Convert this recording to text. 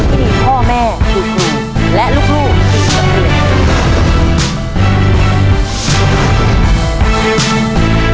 ครอบครัวที่มีพ่อแม่คือครูและลูกลูกคือเพื่อน